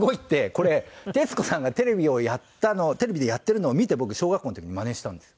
これ徹子さんがテレビをやったのをテレビでやってるのを見て僕小学校の時にマネしてたんです。